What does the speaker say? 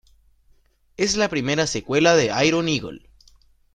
Es la primera secuela de Iron Eagle.